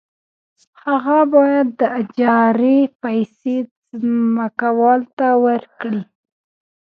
هغه باید د اجارې پیسې ځمکوال ته ورکړي